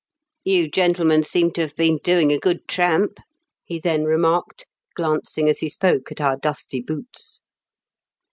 " You gentlemen seem to have been doing a good tramp," he then remarked, glancing as he spoke at our dusty boots.